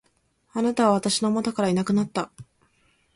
貴方は私の元からいなくなった。